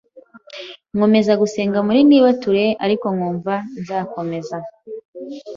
nkomeza gusenga muri nibature ariko nkumva nzakomez